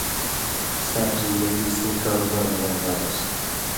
ساریۡ زِندگی سیں کاروبار مہ لن٘گھالس